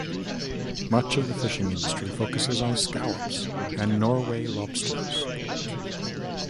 Much of the fishing industry focuses on scallops and Norway lobsters.